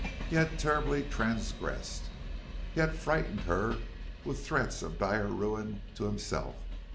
He had terribly transgressed. He had frightened her with threats of dire ruin to himself.